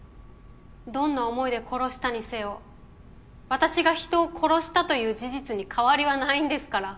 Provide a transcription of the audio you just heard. どんな思いで殺したにせよ私が人を殺したという事実に変わりはないんですから。